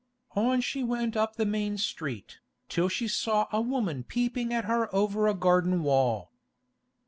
On she went up the main street, till she saw a woman peeping at her over a garden wall.